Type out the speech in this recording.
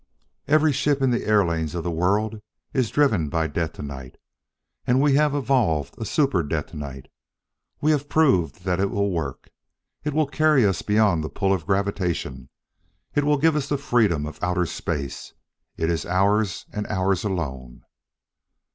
"Every ship in the airlanes of the world is driven by detonite and we have evolved a super detonite. We have proved that it will work. It will carry us beyond the pull of gravitation; it will give us the freedom of outer space. It is ours and ours alone."